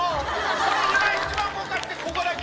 これ今一番動かしてここだけ！